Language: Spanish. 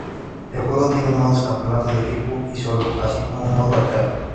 El juego tiene modos campeonato de equipo y solo así como un modo "Arcade".